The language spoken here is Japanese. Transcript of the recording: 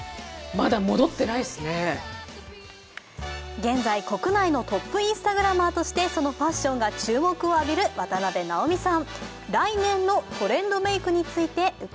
現在、国内のトップインスタグラマーとして、そのファッションが注目を浴びる渡辺直美さん。